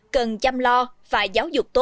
cần chăm lo và giáo dục